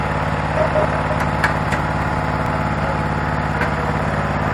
msego mimi ni mzaliwa wa mji huu